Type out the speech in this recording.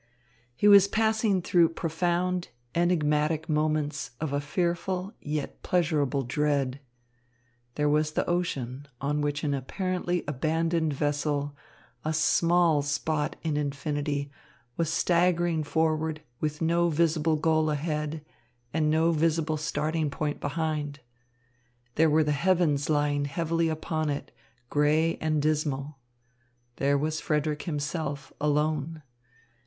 He was passing through profound, enigmatic moments of a fearful yet pleasurable dread. There was the ocean, on which an apparently abandoned vessel, a small spot in infinity, was staggering forward with no visible goal ahead and no visible starting point behind. There were the heavens lying heavily upon it, grey and dismal. There was Frederick himself, alone.